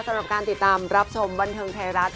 สำหรับการติดตามรับชมบันเทิงไทยรัฐ